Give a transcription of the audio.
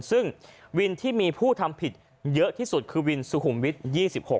ซึ่งวินที่มีผู้ทำผิดเยอะที่สุดคือวินสุขุมวิทย์๒๖